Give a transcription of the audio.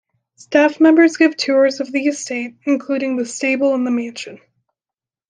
Staff members give tours of the estate, including the stable and the mansion.